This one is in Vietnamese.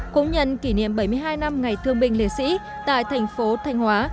cũng nhận kỷ niệm bảy mươi hai năm ngày thương bình liệt sĩ tại thành phố thanh hóa